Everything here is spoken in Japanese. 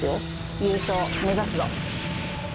優勝目指すぞ！